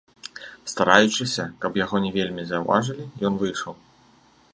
Стараючыся, каб яго не вельмі заўважалі, ён выйшаў.